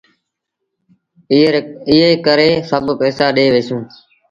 ايٚئيٚن ڪري سڀ پئيسآ ڏي وهيٚسون۔